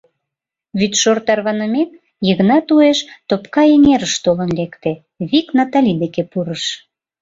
Вӱдшор тарванымек, Йыгнат уэш Топкайэҥерыш толын лекте, вик Натали деке пурыш.